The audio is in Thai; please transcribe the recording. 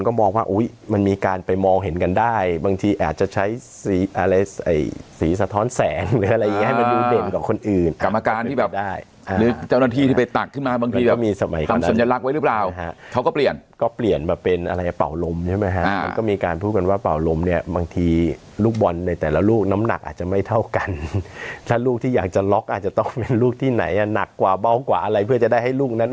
ก็มองว่าอุ้ยมันมีการไปมองเห็นกันได้บางทีอาจจะใช้สีอะไรสีสะท้อนแสนหรืออะไรอย่างงี้ให้มันดูเด่นกับคนอื่นกรรมการที่แบบหรือเจ้าหน้าที่ที่ไปตักขึ้นมาบางทีแบบทำสัญลักษณ์ไว้หรือเปล่าเขาก็เปลี่ยนก็เปลี่ยนมาเป็นอะไรป่าวลมใช่ไหมฮะก็มีการพูดกันว่าป่าวลมเนี่ยบางทีลูกบอลในแต่ละลูกน